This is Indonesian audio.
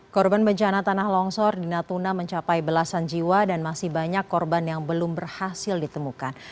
korban bencana tanah longsor di natuna mencapai belasan jiwa dan masih banyak korban yang belum berhasil ditemukan